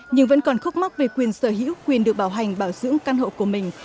nhưng vẫn còn khúc mắc về quyền sở hữu quyền được bảo hành bảo dưỡng căn hộ của mình